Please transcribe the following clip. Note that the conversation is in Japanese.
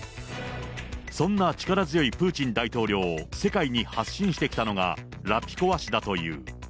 そんな力強いプーチン大統領を世界に発信してきたのがラピコワ氏だという。